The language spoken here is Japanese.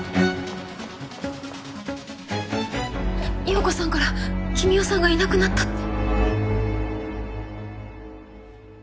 洋子さんから君雄さんがいなくなったって。